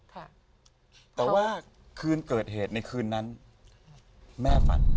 ค่ะแต่ว่าคืนเกิดเหตุในคืนนั้นแม่ฝัน